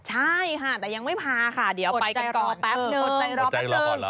ใช่ค่ะแต่ยังไม่พาค่ะเดี๋ยวไปกันก่อนปรบใจรอแปบหนึ่ง